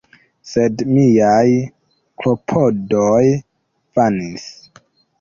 Sed miaj klopodoj vanis.